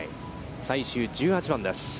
最終１８番です。